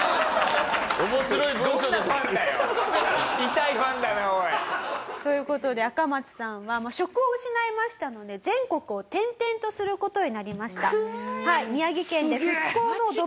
痛いファンだなおい！という事でアカマツさんは職を失いましたので全国を転々とする事になりました。